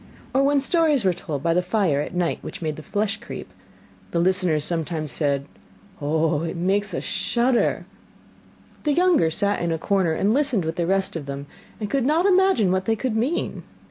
Or when stories were told by the fire at night which made the flesh creep, the listeners sometimes said: 'Oh, it makes us shudder!' The younger sat in a corner and listened with the rest of them, and could not imagine what they could mean.